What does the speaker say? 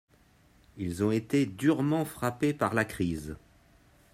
Ils ont été durement frappé par la crise.